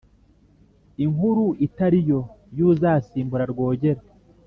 inkuru itari yo y uzasimbura Rwogera